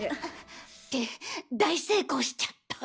って大成功しちゃった。